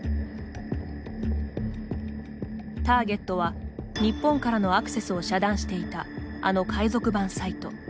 ターゲットは、日本からのアクセスを遮断していたあの海賊版サイト。